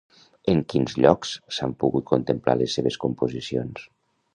En quins llocs s'han pogut contemplar les seves composicions?